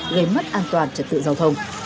gây mất an toàn trật tự giao thông